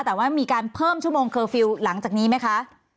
แต่ว่ามีการเพิ่มชั่วโมงเคอร์ฟิลล์หลังจากนี้ไหมคะ